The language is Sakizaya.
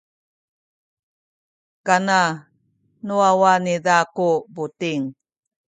kanan nu wawa niza ku buting.